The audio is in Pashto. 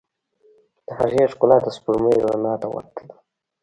د هغې ښکلا د سپوږمۍ رڼا ته ورته ده.